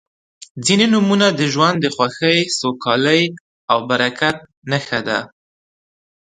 •ځینې نومونه د ژوند د خوښۍ، سوکالۍ او برکت نښه ده.